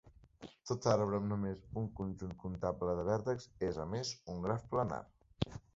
Tot arbre amb només un conjunt comptable de vèrtexs és a més un graf planar.